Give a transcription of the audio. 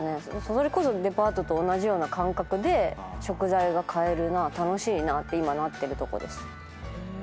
それこそデパートと同じような感覚で食材が買えるな楽しいなって今なってるとこです。